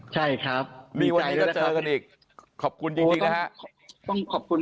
ใช่ครับมีวันนี้ก็เจอกันอีกขอบคุณจริงนะครับต้องขอบคุณ